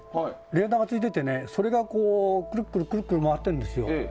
レーダーがついていてそれがくるくる回ってるんですよ。